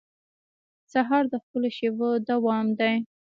سهار د ښکلو شېبو دوام دی.